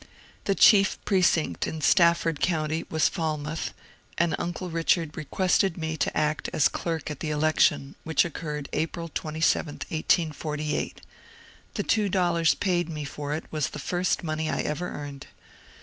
The chief precinct in Stafford County was Falmouth, and uncle Richard requested me to act as clerk at the election, which occurred April 27, 1848. The two dollars paid me for it was the first money I ever earned.